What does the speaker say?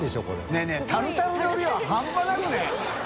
ねぇねぇタルタルの量半端なくねぇ？